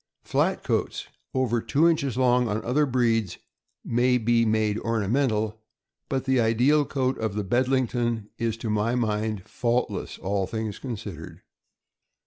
Flat coats, over two inches long, on other breeds may be made ornamental; but the ideal coat of the Bedling ton is, to my mind, faultless, all things considered.